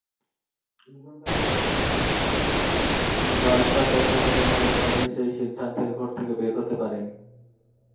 Barca তখনো যেন রেফারির সেই সিদ্ধান্তের ঘোর থেকে বের হতে পারেনি।